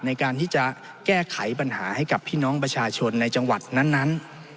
ในการแก้ไขปัญหาที่น้องประชาชนในจังหวัดนั้น